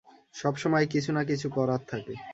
সবসময় কিছু না কিছু করার থাকে।